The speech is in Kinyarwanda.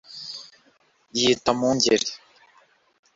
Yita mu ngeri